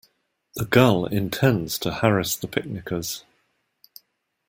The gull intends to harass the picnickers.